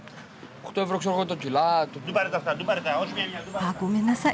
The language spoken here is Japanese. あっごめんなさい。